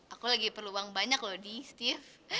aku lagi perlu uang banyak loh di setiap